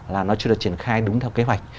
là nó chưa được triển khai đúng theo kế hoạch